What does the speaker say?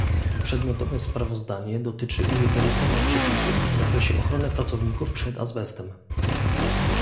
Przedmiotowe sprawozdanie dotyczy ujednolicenia przepisów w zakresie ochrony pracowników przed azbestem